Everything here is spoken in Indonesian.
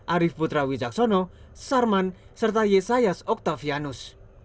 arief putra wijaksono sarman serta yesayas oktavianus